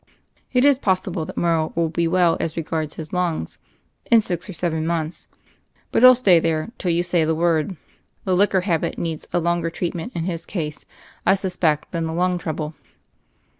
It is possible that Morrow will be well as regards his lungs — in six or seven months; but he'll stay there till you say the word. The liquor habit needs a longer treat ment in his case, I suspect, than the lung trouble."